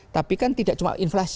tapi kan tidak cuma inflasi